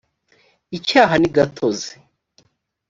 icyaha nigatozi.